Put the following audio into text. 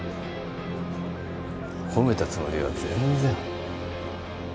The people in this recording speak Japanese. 褒めたつもりは全然。